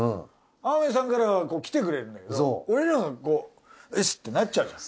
天海さんから来てくれるんだけど俺らがこう「うぃっす」ってなっちゃうじゃん。